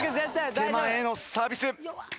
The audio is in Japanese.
手前のサービス。